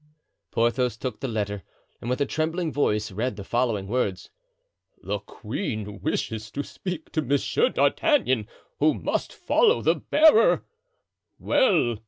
Porthos took the letter and with a trembling voice read the following words: "The queen wishes to speak to Monsieur d'Artagnan, who must follow the bearer." "Well!"